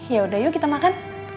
yaudah yuk kita makan